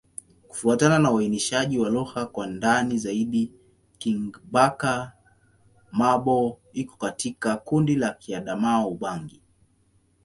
Kufuatana na uainishaji wa lugha kwa ndani zaidi, Kingbaka-Ma'bo iko katika kundi la Kiadamawa-Ubangi.